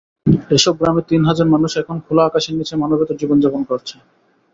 এসব গ্রামের তিন হাজার মানুষ এখন খোলা আকাশের নিচে মানবেতর জীবনযাপন করছে।